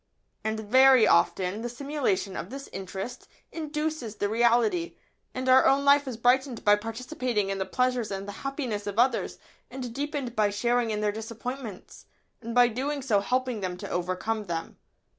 ] And very often the simulation of this interest induces the reality, and our own life is brightened by participating in the pleasures and the happiness of others, and deepened by sharing in their disappointments, and by doing so helping them to overcome them.